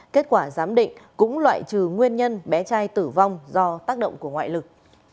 kết quả giám định cũng loại trừ nguyên nhân bé trai tử vong do tác động của ngoại lực